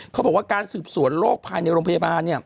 เขาบอกว่าการสืบสวนโรคภายในโรงพยาบาล